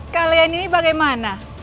kalian ini bagaimana